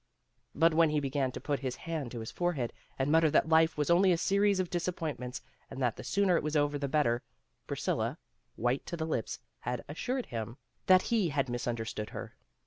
'* But when he began to put his hand to his forehead and mutter that life was only a series of disappointments and that the sooner it was over the better, Priscilla, white to the lips had assured him that he had mis understood her.